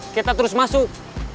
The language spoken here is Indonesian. kita terus masuk